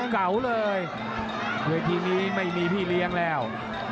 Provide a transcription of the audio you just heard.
ออกทุกเก๋าเลยโดยทีนี้ไม่มีพี่เลี้ยงแล้ว